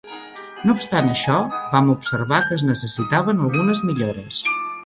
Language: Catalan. No obstant això, vam observar que es necessitaven algunes millores.